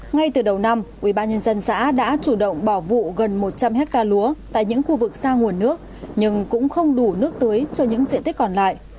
ngay từ đầu năm ubnd xã đã chủ động bỏ vụ gần một trăm linh hectare lúa tại những khu vực xa nguồn nước nhưng cũng không đủ nước tưới cho những diện tích còn lại